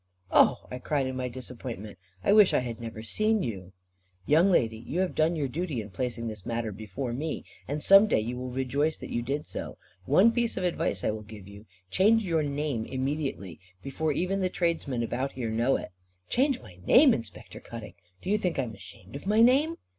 "Oh," I cried in my disappointment, "I wish I had never seen you." "Young lady, you have done your duty in placing the matter before me, and some day you will rejoice that you did so. One piece of advice I will give you: change your name immediately, before even the tradesmen about here know it." "Change my name, Inspector Cutting! Do you think I am ashamed of my name?"